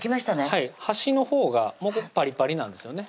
はい端のほうがパリパリなんですよね